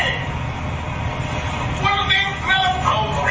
เอานี่หวานเห้ย